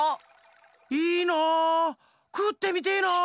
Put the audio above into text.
いいなくってみてえな。